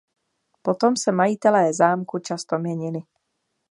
Potom se majitelé zámku často měnili.